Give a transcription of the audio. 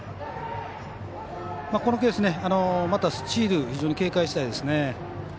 このケース、またスチール非常に警戒したいですね。